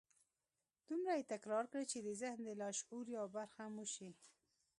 دومره يې تکرار کړئ چې د ذهن د لاشعور يوه برخه مو شي.